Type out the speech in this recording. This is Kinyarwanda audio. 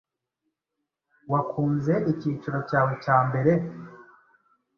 Wakunze icyiciro cyawe cya mbere?